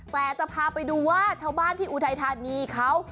แต่จะพาไปดูว่าชาวบ้านที่อุทัยธานีเขา